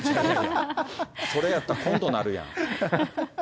それやったら、コントなるやん。